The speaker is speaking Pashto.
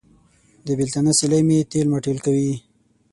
د بېلتانه سیلۍ مې تېل ماټېل کوي.